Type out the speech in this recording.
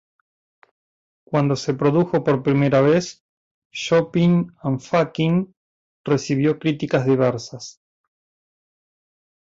Cuando se produjo por primera vez, "Shopping and Fucking" recibió críticas diversas.